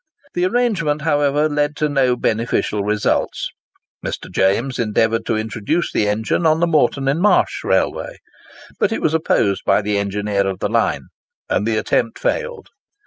The arrangement, however, led to no beneficial results. Mr. James endeavoured to introduce the engine on the Moreton on Marsh Railway; but it was opposed by the engineer of the line, and the attempt failed.